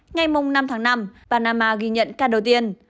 ngày năm tháng năm panama ghi nhận ca đầu tiên